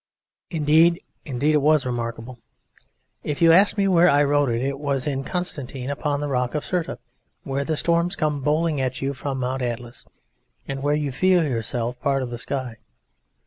Indeed, indeed it was admirable! If you ask me where I wrote it, it was in Constantine, upon the Rock of Cirta, where the storms come bowling at you from Mount Atlas and where you feel yourself part of the sky.